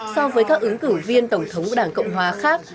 so với các ứng cử viên tổng thống của đảng cộng hòa khác